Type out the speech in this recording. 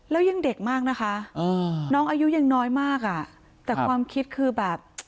แล้วยังเด็กมากนะคะน้องอายุยังน้อยมากอ่ะแต่ความคิดคือแบบ